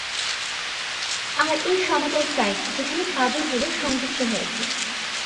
আর এই সমতল সাইড যেখানে পাঁজরগুলো সংযুক্ত হয়েছে।